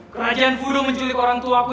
kerajaan buru menculik orang tuaku